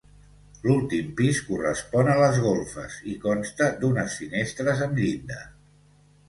L'últim pis correspon a les golfes i consta d'unes finestres amb llinda.